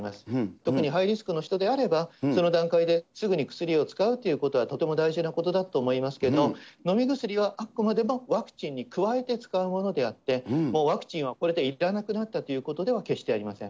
特にハイリスクの人であれば、その段階ですぐに薬を使うということはとても大事なことだと思いますけど、飲み薬はあくまでもワクチンに加えて使うものであって、ワクチンはこれでいらなくなったということでは決してありません。